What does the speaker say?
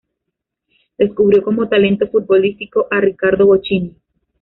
Descubrió como talento futbolístico a Ricardo Bochini.